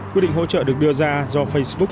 quyết định hỗ trợ được đưa ra do facebook